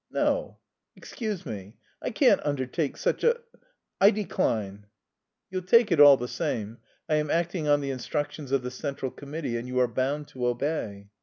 "No, excuse me; I can't undertake such a... I decline." "You'll take it all the same. I am acting on the instructions of the central committee, and you are bound to obey."